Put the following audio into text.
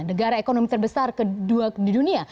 negara ekonomi terbesar kedua di dunia